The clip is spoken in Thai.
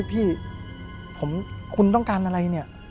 พี่คุณต้องการอะไร